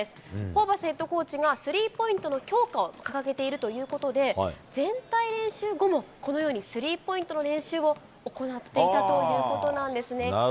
ホーバスヘッドコーチがスリーポイントの強化を掲げているということで、全体練習後も、このようにスリーポイントの練習を行っていたということなんですね。